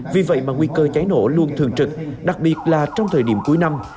vì vậy mà nguy cơ cháy nổ luôn thường trực đặc biệt là trong thời điểm cuối năm